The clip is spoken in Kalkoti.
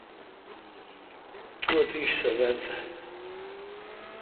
تو اتیش صبر تہ۔